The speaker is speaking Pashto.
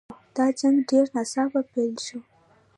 دا جنګ ډېر ناڅاپه پیل شو.